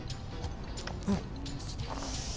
うん。